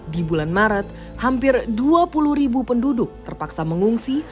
di bulan maret hampir dua puluh ribu penduduk terpaksa mengungsi